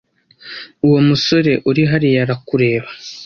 Uwo musore uri hariya arakureba.